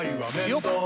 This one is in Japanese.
よっ！